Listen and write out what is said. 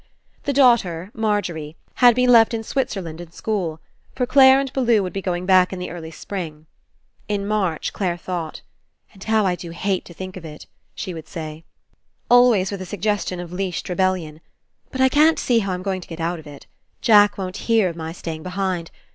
The daughter, Margery, had been left in Switzerland in school, for Clare and Bellew would be going back in the early spring. In March, Clare thought. "And how I do hate to think of it!" she would say, always with a sug gestion of leashed rebellion; *'but I can't see how I'm going to get out of it. Jack won't hear of my staying behind.